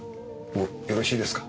もうよろしいですか。